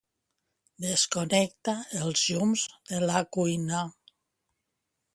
Desconnecta els llums de la cuina.